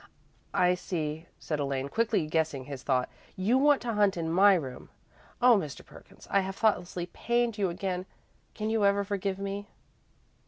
"I see," said Elaine, quickly guessing his thought, "you want to hunt in my room. Oh, Mr. Perkins, I have thoughtlessly pained you again. Can you ever forgive me?"